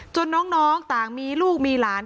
น้องต่างมีลูกมีหลาน